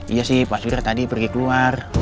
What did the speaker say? iya sih pak surya tadi pergi keluar